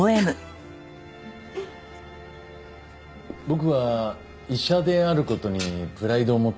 僕は医者である事にプライドを持っています。